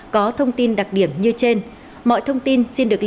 có thông tin đặc điểm như trên